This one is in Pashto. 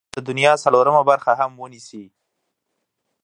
دوی به د دنیا څلورمه برخه هم ونیسي.